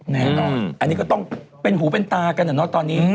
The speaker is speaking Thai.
แน่นอนอันนี้ก็ต้องเป็นหูเป็นตากันอะเนาะตอนนี้